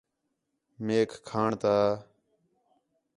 میک کھاݨ تا